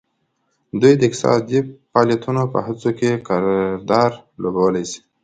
دوی د اقتصادي فعالیتونو په هڅونه کې کردار لوبولی شي